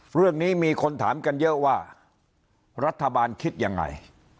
เรื่องนี้มีคนถามกันเยอะว่ารัฐบาลคิดยังไง